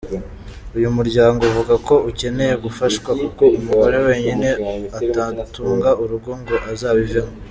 Uyu muryango uvuga ko ukeneye gufashwa kuko umugore wenyine atatunga urugo ngo azabivemo.